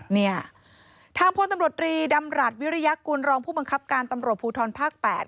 เนี่ยทางพลตำรวจรีดำรัฐวิริยากุลรองผู้บังคับการตำรวจภูทรภาค๘